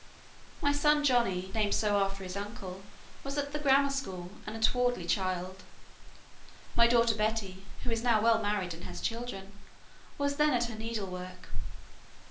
My son Johnny, named so after his uncle, was at the grammar school, and a towardly child. My daughter Betty (who is now well married, and has children) was then at her needlework.